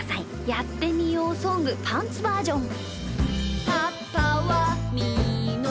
「やってみようソングパンツバージョン」。